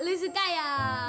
lo suka ya